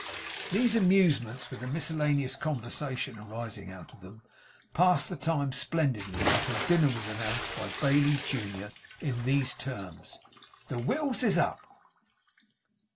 These amusements, with the miscellaneous conversation arising out of them, passed the time splendidly, until dinner was announced by Bailey junior in these terms: 'The wittles is up!